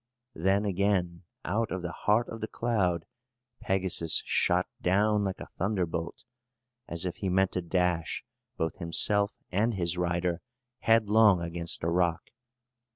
Then again, out of the heart of the cloud, Pegasus shot down like a thunderbolt, as if he meant to dash both himself and his rider headlong against a rock.